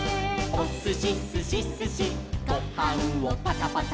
「おすしすしすしごはんをパタパタ」